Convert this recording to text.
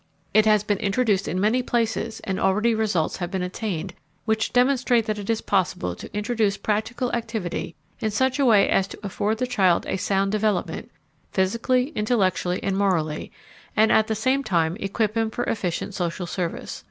It has been introduced in many places and already results have been attained which demonstrate that it is possible to introduce practical activity in such a way as to afford the child a sound development physically, intellectually, and morally and at the same time equip him for efficient social service.